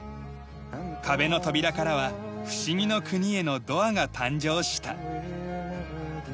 壁の扉からは不思議の国へのドアが誕生した。